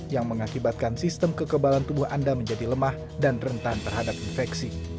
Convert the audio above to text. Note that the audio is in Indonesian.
yang mengakibatkan sistem kekebalan tubuh anda menjadi lemah dan rentan terhadap infeksi